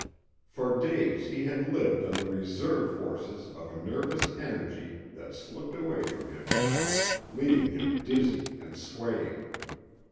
For days he had lived on the reserve forces of a nervous energy that slipped away from him now, leaving him dizzy and swaying.